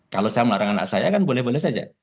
kalau saya melarang anak saya kan boleh boleh saja